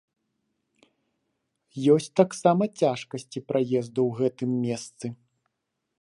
Ёсць таксама цяжкасці праезду ў гэтым месцы.